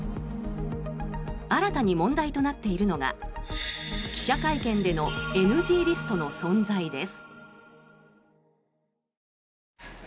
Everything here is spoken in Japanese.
新たに問題となっているのが記者会見でのＮＧリストの存在です。